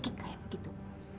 kita cekikik kayak begitu